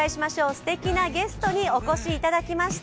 すてきなゲストにお越しいただきました。